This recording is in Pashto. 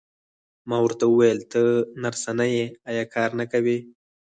ما ورته وویل: ته نرسه نه یې، ایا کار نه کوې؟